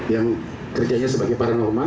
yang kerjanya sebagai paranormal